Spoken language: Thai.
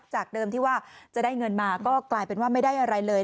จากเดิมที่ว่าจะได้เงินมาก็กลายเป็นว่าไม่ได้อะไรเลย